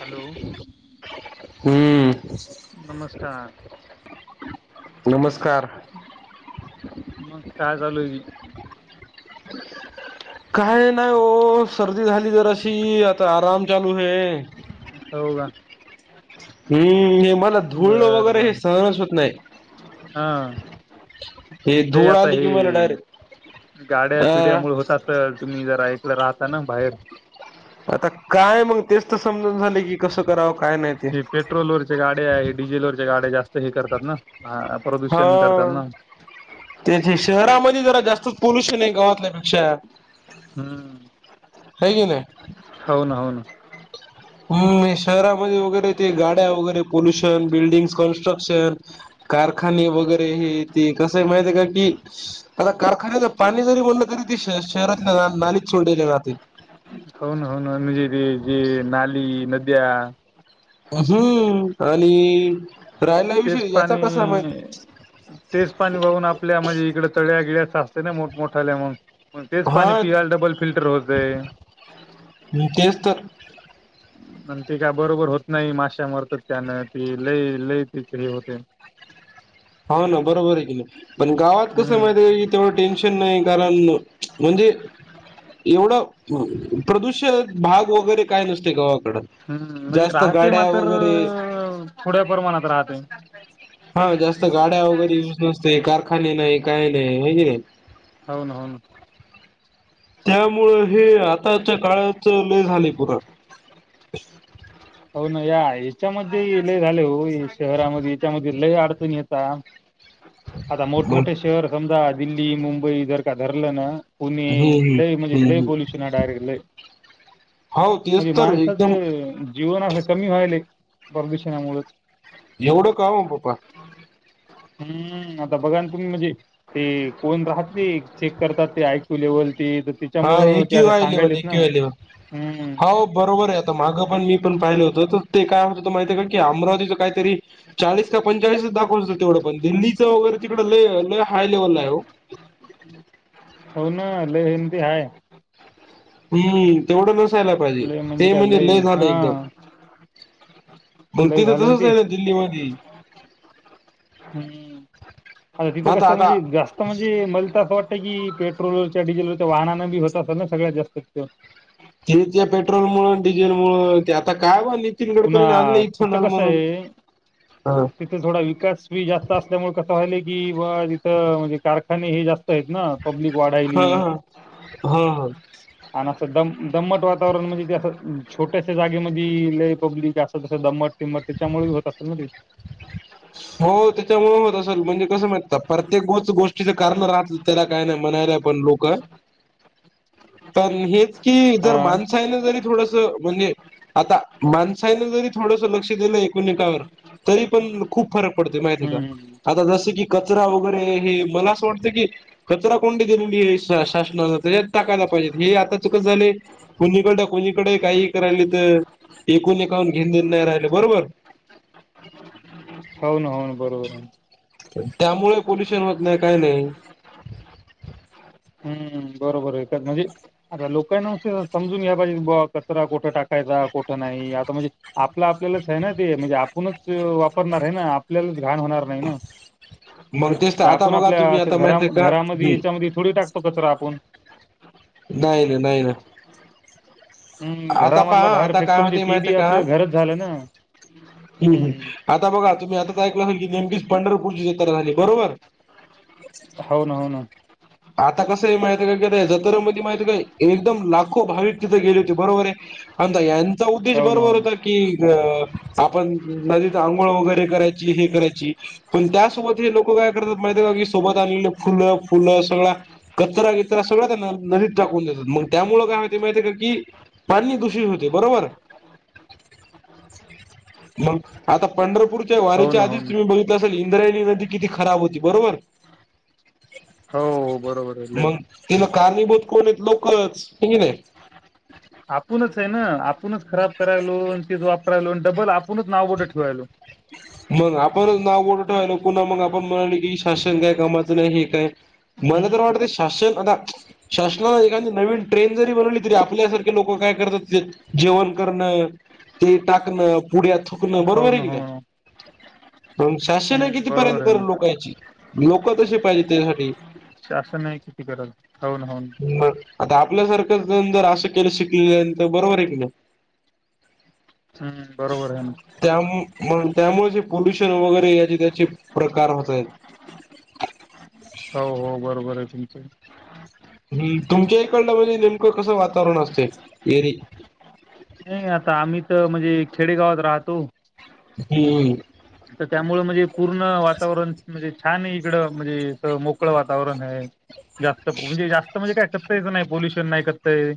Hello हम्म नमस्कार. नमस्कार. मग काय चालूये वी? काय नाही हो सर्दी झाली जराशी आता आराम चालू हे. हो का? हम्म हे मला धुळ वगैरे हे सहनच होत नाय. हां जे धूळ आता आली की मला डायरेक्ट हे गाड्या अ पिड्यामुळे होता तर तुम्ही जरा हिकडं राहता ना बाहेर. आता काय मंग तेच तर समजून झाले की कसं कराव काय ना हे पेट्रोलवरच्या गाड्या हे डिझेलवरच्या गाड्या जास्त हे करतात ना हा. प्रदूषण करतात हाव ना तेचे शहरामध्ये जरा जास्तच पोलूशन हाय गावातल्यापेक्षा. हम्म. हाय की नाय? हाव ना हो ना. हम्म हे शहरामध्ये वगैरे ते गाड्या वगैरे पोल्युशन, बिल्डिंग, कन्स्ट्रक्शन कारखाने वगैरे हे ते कसं आहे माहितय का ती आता कारखान्याचा पाणी जरी बोललं तरी ते श- शहरातल्या नालीत सोडल्या जाते. हो ना, हो ना म्हणजी ती जे नाली, नद्या हम्म आणि राहयला तेच विषयी याचा पाणी कसा माहित तेच पाणी वाहून आपल्या म्हणजे इकड तळ्या- गिळ्याचा असते ना मोठमोठ्याल्या म्हणून. मग तेच पाणी पियला डबल फिल्टर होतंय. हम्म तेच तर. आणि ती का बरोबर होत नाही माश्या मरतात त्यानं ती लई -लई तिचे हे होतय. हाव ना बरोबर आहे की मग पण गावात कसं आहे हम्म माहितीये का तेवढं टेन्शन नाही कारण म्हणजे एवढं प्रदूषल भाग वगैरे काय नसतय गावाकडं. हम्म म्हणजे जास्त राहते मा गाड्या तर वगैरे थोड्या प्रमाणात राहतय. हा जास्त गाड्या वगैरे युज नसते कारखाने नाही काही नाही होय की नाही. हाव ना, हाव ना. त्यामुळं हे आताच्या काळाचा लय झालय पुरं. हो ना या याच्यामध्ये लय झाले हो शहरामध्ये याच्यामध्ये लय अडचण येता. आता मग मोठमोठे शहर समजा दिल्ली मुंबई जर का धरलं ना कोणी हम्म हम्म लय म्हणजे हम्म लय हम्म पोलुशन आहे डायरेक्ट लय. हो तेच म्हणजे तर एकदम माणसाचं जीवन असं कमी व्हायलय प्रदूषणामुळेच. एवढं का ओ 'बप्पा. हम्म आता बघान तुम्ही म्हणजे, ते कोण राहते ते चेक करतात ते आयक्यू लेवल ते तर हा त्यामुळं एकयू त्याला आय लेवल सांगलेत ना एकयू आय लेवल हम्म हो बरोबर आहे आता मागं पण मी पण पाहिलं होतं तर ते काय होत माहिती आहे का की अमरावतीच काहीतरी चाळीस का पंचाळीसच दाखवत तेवढं पण दिल्लीचं वगैरे तिकडं हाय लेवल हाय ओ. हो ना लय हिमती हाय. हम्म तेवढं नसायला पाहिजे, लय ते काय म्हणजे लय झालं एकदम हां, मग लय तीत [unintelligible] झालं ना ते. हाय दिल्लीमध्ये हम्म अ तिथं कस आता हाय आता म्हणजे जास्त. म्हणजे मला तर असं वाटतं की पेट्रोलवरच्या डिझेलवरच्या वाहनांना बी होत असल ना सगळ्यात जास्त. ते त्या पेट्रोल मुळ डिझेल मुळ आता काय म्हणलीत. नितीन पुन्हा गडकरी न आणल इथनॉल म्हणून हा तथ थोडा विकास जास्त असल्यामुळे कस व्हालेय की बा तिथं म्हणजे कारखाने हे जास्त आहेत ना. पब्लिक हा वाढायली. हा. हा हा आणि असं दम दम्मट वातावरण म्हणजे असं छोटयाशा जागेमध्ये. पब्लिक असं दमट टिमट त्यांच्यामुळे होत असेल ना. ते [unintelligible] हो त्यांच्यामुळे होत असेल म्हणजे कसं मा प्रत्येकच गोष्टीचं कारण राहतलं त्याला काय नाही म्हणारच. कोण लोकं, हेच कि हा जर माणुसकी काय नाही जऱी थोडस बोले आता माणसान जरी थोडस लक्ष दिलं एकमेकांवर तरी पण खूप फरक पडत माहिती आहे हम्म का आता जस कि, कचरा वगैरे हे मला असं वाटतं की. कचरा कुंडी दिलेली शासनानं त्येच्यात टाकायला पाहिजेत हे आता कस झाले. कुणीकड कोणीकड काही करायलत एकूण एकान घेन देण नाही राहिलं बरोबर. हाऊ ना हाऊ ना बरोबर. त्यामुळे पोल्युशन होत नाही काही नाही हम्म बरोबर हाये म्हणजे, अता लोकांनाच समजून घ्या पाहिजे कचरा कुठं टाकायचा कुठं नाही आता म्हणजे, आपलं आपल्यालाच आहे ना ते म्हणजे आपणच वापरणार आहे ना आपल्यालाच घाण होणार. नाही ना मग तेच तर आता आपण बघा तुम्ही आपल्या आता माहित आहे का घरामध्ये याच्यामध्ये थोडी टाक आपुन. नाही ना, नाही ना हम् आता घरामधला पहा बाहेर आता काय फेकतो म्हणजे होते ती माहिती बी आहे का आपलं घरच झालं ना हम्म हम बघा तुम्ही आताच ऐकलं असेल नेमकीच पंढरपूरची जत्रा झाली बरोबर. हाव ना, हाव ना आता कसं आहे माहित का जत्र मध्ये माहिती का काय एकदम ला- लाखो भाविक तिथ गेले होते बरोबर हाय आता यांचा उद्देश हो ना हो बरोबर ना होता. कि आपण नदीत आंघोळ वगैरे करायची हे करायची पण त्या सोबत हि लोक काय करत्यात माहिती का सोबत आली फुल, फुल सगळा कचरा बिचरा करत्यात सगळं कढणं नदीत टाकून देतात मग त्यामुळं काय होतय माहितीय का की पाणी दूषित होते बरोबर. मग आता पंढरपूर हो वारीच्या ना हो आधीच ना तुम्ही बघितलं असल इंद्रायणी नदी किती खराब होती बरोबर. हो हो बरोबर हाय. [unintelligible] कारणीभूत कोणी लोकच, होय की नाही? आपणच आहे ना, आपणच खराब करायलो, अन तेच वापरायलो, आणि डबल आपणच नाव कुठं ठेवायलो. मगं आपण नाव [unintelligible] ठेवायला. पुन्हा मंग आपण म्हणाले की शासन काय कामाचं नाही, हे काय. मला हम्म. तर वाटते शासन आता शासनानं एखादी नवीन ट्रेन जरी बनवली तरी आपल्यासारखे लोकं काय करतात तिथं जेवण करणं, ते टाकणं, पुड्या थुकणं, हो बरोबर आहे ना कि हो नाही? ना मंग शासन हम्म कितीपर्यंत बरोबर आहे ना करल लोकांची? लोक तशी पाहिजे त्यासाठी. शासन तरी किती करल? होन होन मंग आता आपल्यासारखं जर असं केलं शिकलेल्यांनी, तर बरोबर आहे की नाही? हम्म, बरोबर आहे ना. त्या-त्यामुळे पोल्युशन वगैरे याचे त्याचे प्रकार होत आहेत. हो हो, बरोंबरं आहे तुमचं. हम्म, तुमच्या इकडलं म्हणजे नेमकं कसं वातावरण असते एरी? नाही, आता आम्ही तर म्हणजे खेडेगावात राहतो हम्म. तर त्यामुळे म्हणजे पूर्ण वातावरण म्हणजे छान आहे इकडं, म्हणजे असं मोकळं वातावरण आहे‌. जास्त पॉल्यु जास्त म्हणजे काय करतायच नाही, पॉल्युशन नाही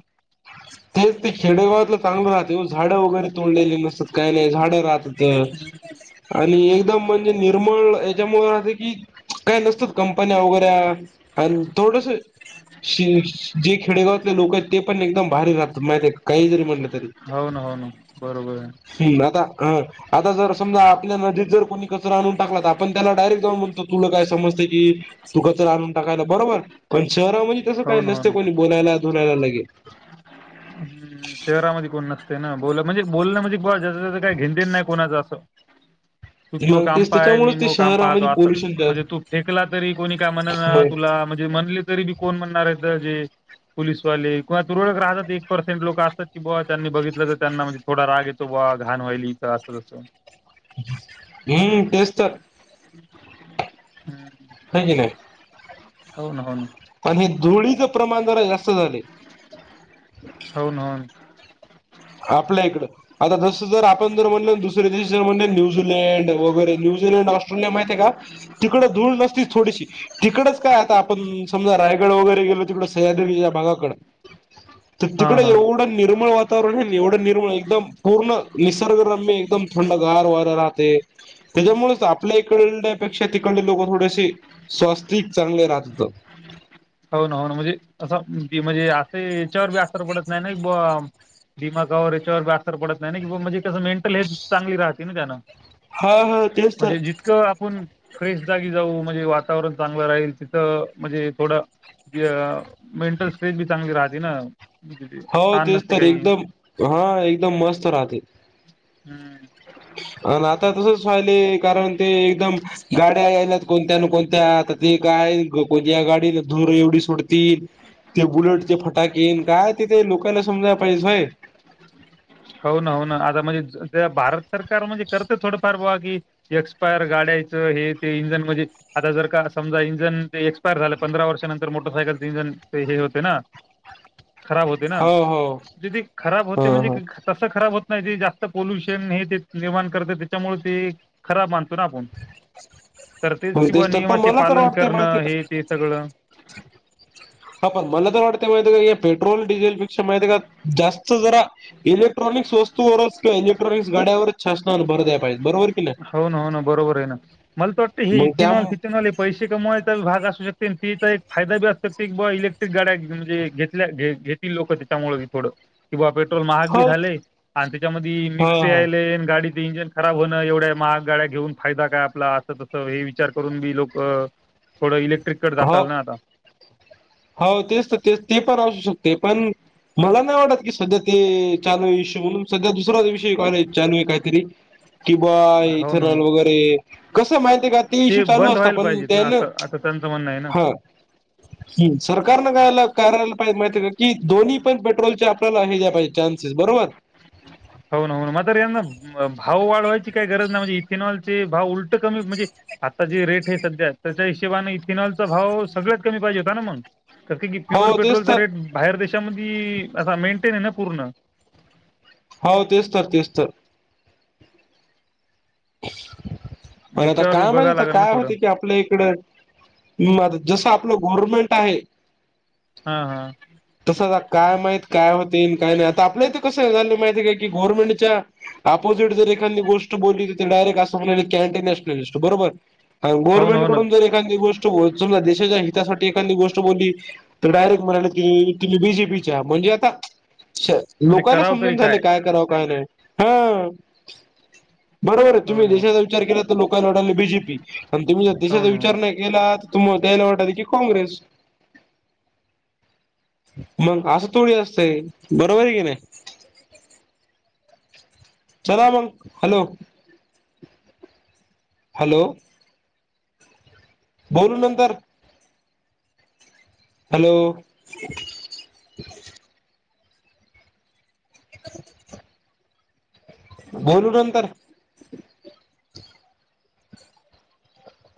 [unintelligible] तेचं ते खेडेगावातलं चांगलं राहते, झाडं वगैरे तोडलेली नसतात, काय नाही झाडं राहतात. तर आणि एकदम म्हणजे निर्मळ याच्यामुळे असं की, काय नसतात कंपन्या वगैरे आणि थोडंसं [unintelligible] जे खेडेगावातले लोक आहेत ते पण एकदम [unintelligible] माहिती काहीही जरी म्हंटलं तरी हो ना, हो ना बरोबर आहे. [unintelligible] आता, अं आता जर समजा आपल्या नदीत जर कोणी कचरा आणून टाकला, तर आपण त्याला डायरेक्ट जाऊन म्हणतो, तुला काय समजते की? सुका तर आणून टाकायला, बरोबर? पण शहरामध्ये तसं हो काही ना हो नसते ना कोणी बोलायला धुलायला लगेच. हम्म, शहरामध्ये कोण नसत. ते ना बोललं म्हणजे बोलणं म्हणजे [unintelligible] काही घेणेदेणे नाही कोणाचं असं. तू मग तेच कामपा आहे, त्याच्यामुळेच ते शहरामध्ये [unintelligible] पोल्युशन म्हणजे तू फेकला तरी कोणी काय म्हणेल तुला, म्ह म्हले तरी बी कोण म्हणणार आहे जे पोलीसवाले, किंवा तुरळक राहतात एक पर्सेंट, लोक की बुवा त्यांनी बघितलं तर त्यांना म्हणजे थोडा राग येतो बुवा, घाण व्हायली इथं असं तसं हम्म, तेच तर. [inaudible] [unintelligible] हो ना हो ना. आणि धुळीचं प्रमाण जरा जास्त झालंय. हो ना. आपल्या इकडं आता जसं जर आपण जर म्हणलं दुसरे देश जर म्हणले न्यूझीलंड वगैरे, न्यूझीलंड ऑस्ट्रेलिया माहित आहे का? तिकडं धूळ नसतीच थोडीशी‌. तिकडच काय आता आपण समजा रायगड वगैरे गेलो तिकडं सह्याद्री या भागाकडं, तर हा तिकडे हा. एवढं निर्मळ वा वातावरण एवढं निर्मळ, एकदम पूर्ण निसर्गरम्य, एकदम थंडगार वारा राहते. त्याच्यामुळेच आपल्या इकडल्यापेक्षा तिकडले लोक थोडेसे स्वास्थिक चांगले राहत होत. हो ना हो ना, म्हणजे असं बी म्हणजे असं याच्यावर बी असर पडत नाही ना [unintelligible] दिमागावर याच्यावर बी असर पडत नाही ना, की म्हणजे कसं मेंटल हेल्थ चांगली राहते ना त्यांना हा हा तेच तर म्हणजे जितकं आपण फ्रेश जागी जाऊ म्हणजे वातावरण चांगलं राहील, तिथं म्हणजे थोडं ते, मेंटल स्ट्रेस बी चांगली राहते ना. ते हो ताण तेच नसते तर काही एकदम हा एकदम मस्त राहते? हम्म, अ आता तसच राहिले कारण ते एकदम! गाड्या यायल्यात कोणत्या न कोणत्या आता काय कोणत्या गाडी धूर एवढी सोडतील. ते बुलटचे फटाके येन काय तेथे लोकाला समजाला पाहिजे होय. हो ना हो ना आता म्हणजे भारत सरकार म्हणजे करते थोडं फार बुआ की, एक्सपायर गाड्यायचं हे ते इंजन मध्ये! आता जर का समजा इंजन ते एक्पायर झालं पंधरा वर्षानंतर मोटरसायकलचे इंजन ते हे होते ना. ह, खराब होते ना ती ती खराब होते म्हणजे ह ह क, तसं खराब होत नाही ते जास्त पोल्युशन हे ते निर्माण करत त्याच्यामुळे ते. खराब मानतो ना आपण. तर तेच मग किंवा तर पण नियमाचे मला तर पालन वाटतंय करणं माहिती का हे ते सगळं? हा पण मला तर वाटतं माहिती आहे का पेट्रोल डिझेलपेक्षा माहिती आहे का जास्त जरा. इलेक्ट्रॉनिक्स वस्तूवरच किं इलेक्ट्रॉनिक् गाड्यावरच शासनान भर द्यायला पाहिजे बरोबर की नाही! हो ना हो ना बरोबर आहे ना मला तर वाटत हे मग त्या इथेनॉल ते! इथेनॉल हे पैसे कमावायचा भाग असू शकते आणि तिचा एक फायदा बी असतते की बा इलेक्ट्रिक गाड्या म्हजे घेत. तिथल्या घेतील लोकं त्याच्यामुळ थोडं, कि बा पेट्रोल महाग बी हो झालेय आणि त्याच्यामध्ये हा मिक्स हा यायलय आणि गाडीचे इंजन. खराब होणं एवढ्या महागाड्या घेऊन फायदा काय आपला असं तस करून मी लोक, थोडं इलेक्ट्रिक कडे हो जाताल ना आता! हो तेच तर तेच ते पण असू शकते पण, मला नाही वाटत की सध्या ते चालू आहे विषय म्हणून सध्या दुसरा विषयी कॉलेज चालू आहे काहीतरी? ह, कि बुआ हो ना हो इथनॉल ना वगैरे कसं माहिती आहे का ते इश्यू चालू असत पण त्यान, तर त्यांच म्हणंय, हा की सरकारन काय करायला पाहिजे माहिती हाय का की दोन्ही पण पेट्रोलच्या, तिथ नाही ज्या बाय चान्सेस बरोबर! होन ना हो ना म आता रियलिनचं, भाव वाढवायची काही गरज नाही म्हणजे इथेनॉल चे भाव उलट कमी म्हणजे, आता जी रेट आहे सध्या त्याच्या हिशेबाने इथेनॉलचा भाव सगळ्यात कमी पाहिजे होता ना मग! तर ते प्युअर हो तेच पेट्रोलचा तर रेट बाहेर देशामध्ये अस मेंटेन आहे ना पूर्ण. हो तेच तर तेच तर, म आता याच्यावर काय माहीत बघायला आता लागेल ना काय थोडं होते की आपल्या इकडं, म जसं आपलं गव्हर्नमेंट आहे. हा हा, तसं काय माहीत काय होते काय नाही आता आपल्या इथे कसं झालं माहिती आहे काय की गव्हर्नमेंटच्या. अपोजिट जर एखादी गोष्ट बोलली तर डायरेक्ट असं म्हणाली ह्यांडी नॅशनलिस्ट बरोबर? हा हो ना हो ना गव्हर्मेंटकडून जर, एखादी गोष्ट समजा देशाच्या हितासाठी एखादी गोष्ट बोलली तर डायरेक्ट मराठी, बीजेपीच्या म्हणजे आता म्हणजे लोकाला करावं समजून तरी झाले काय करावं काय नाही हा बरोबर आहे हो तुम्ही ना हो ना देशाचा विचार केला तर हम्म. लोक लढाले बीजेपी आणि तुम्ही हो देशाचा ना हो ना विचार नाही, केला तुम्हा त्यायला वाटायचं की काँग्रेस. मग असं थोडी असतय बरोबर ये की नाही? चला मग हॅलो! हॅलो! बोलू नंतर हॅलो! बोलू नंतर.